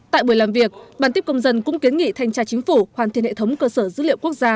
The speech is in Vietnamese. tại buổi làm việc bàn tiếp công dân cũng kiến nghị thanh tra chính phủ hoàn thiện hệ thống cơ sở dữ liệu quốc gia